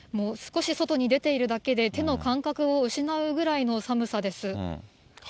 少し外に出ているだけで、手の感覚を失うぐらいの寒さです。